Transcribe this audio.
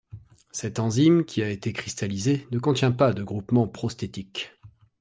Cette enzyme, qui a été cristallisée, ne contient pas de groupement prosthétique.